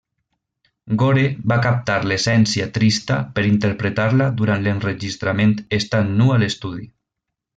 Gore va captar l'essència trista per interpretar-la durant l'enregistrament estant nu a l'estudi.